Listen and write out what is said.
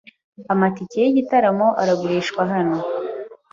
Amatike yigitaramo aragurishwa hano.